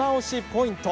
ポイント。